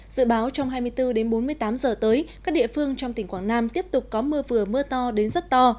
dự báo trong hai mươi bốn đến bốn mươi tám giờ tới các địa phương trong tỉnh quảng nam tiếp tục có mưa vừa mưa to đến rất to